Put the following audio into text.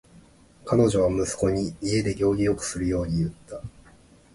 彼女は息子に家で行儀よくするように言った。